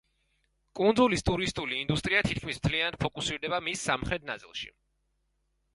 კუნძულის ტურისტული ინდუსტრია თითქმის მთლიანად ფოკუსირდება მის სამხრეთ ნაწილში.